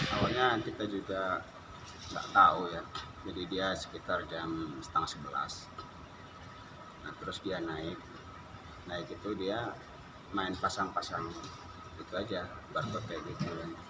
awalnya kita juga nggak tahu ya jadi dia sekitar jam setengah sebelas terus dia naik naik itu dia main pasang pasang itu aja barcode kayak gitu